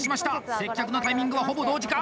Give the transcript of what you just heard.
接客のタイミングは、ほぼ同時か。